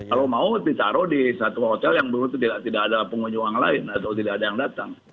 kalau mau ditaro di satu hotel yang belum ada pengunjung yang lain atau tidak ada yang datang